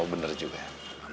oh bener juga ya